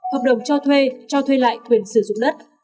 hợp đồng cho thuê cho thuê lại quyền sử dụng đất